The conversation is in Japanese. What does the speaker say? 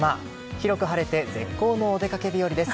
広く晴れて絶好のお出掛け日和です。